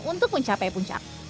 untuk mencapai puncak